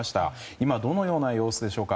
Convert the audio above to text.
今どのような様子でしょうか。